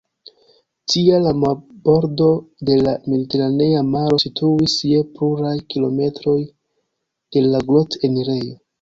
Tiam la marbordo de la Mediteranea maro situis je pluraj kilometroj de la grot-enirejo.